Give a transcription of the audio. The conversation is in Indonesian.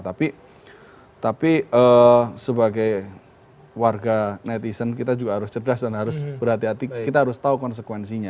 tapi sebagai warga netizen kita juga harus cerdas dan harus berhati hati kita harus tahu konsekuensinya